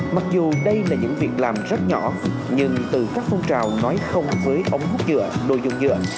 mặc dù đây là những việc làm rất nhỏ nhưng từ các phong trào nói không với ống hút nhựa đồ dùng nhựa